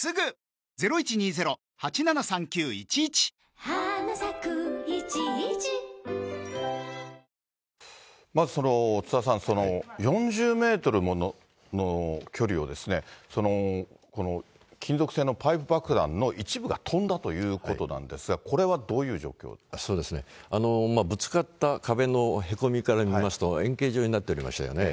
津田さん、これ、まず津田さん、４０メートルもの距離を、この金属製のパイプ爆弾の一部が飛んだということなんですが、そうですね、ぶつかった壁のへこみから見ますと、円形状になっておりましたよね。